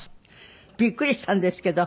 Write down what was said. びっくりしたんですけど。